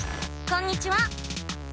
こんにちは。